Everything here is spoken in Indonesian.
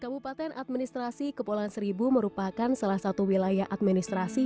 kabupaten administrasi kepulauan seribu merupakan salah satu wilayah administrasi